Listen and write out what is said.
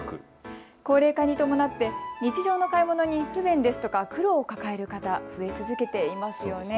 高齢化に伴って日常の買い物に不便ですとか苦労を抱える方、増え続けていますよね。